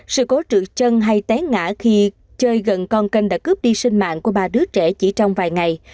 sự cố trượt chân hay té ngã khi chơi gần con kênh đã cướp đi sinh mạng của ba đứa trẻ chỉ trong vài ngày